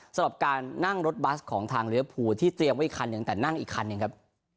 สำหรับการนั่งรถบัสของทางเลี้ยภูที่เตรียมไว้อีกคันหนึ่งแต่นั่งอีกคันหนึ่งครับ